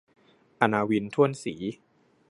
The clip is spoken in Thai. อณาวิน ถ้วนศรี